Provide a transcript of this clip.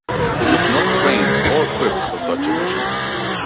It was not trained or equipped for such a mission.